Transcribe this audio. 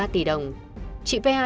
hai ba tỷ đồng chị pia